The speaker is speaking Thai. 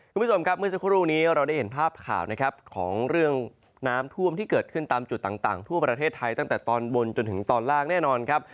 คุณผู้ชมครับเมื่อสักครู่นี้เราได้เห็นภาพข่าวนะครับของเรื่องน้ำท่วมที่เกิดขึ้นตามจุดต่างทั่วประเทศไทยตั้งแต่ตอนบนจนถึงตอนล่างแน่นอนครับ